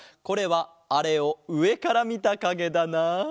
これはあれをうえからみたかげだな？